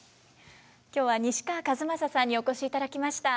今日は西川千雅さんにお越しいただきました。